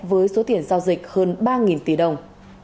với số tiền giao dịch hơn ba tỷ đồng